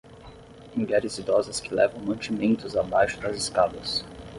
Mulheres idosas que levam mantimentos abaixo das escadas.